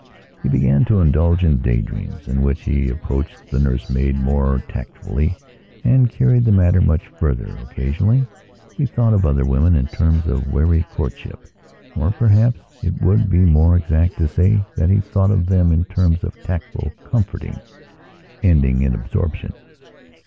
He began to indulge in day dreams in which he approached the nurse maid more tactfully and carried the matter much further. Occasionally he thought of other women in terms of wary courtshipor, perhaps, it would be more exact to say that he thought of them in terms of tactful comforting, ending in absorption.